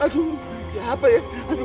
aduh siapa ya